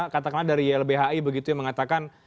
katakanlah dari ylbhi begitu yang mengatakan